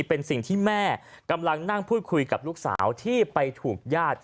เป็นสิ่งที่แม่กำลังนั่งพูดคุยกับลูกสาวที่ไปถูกญาติ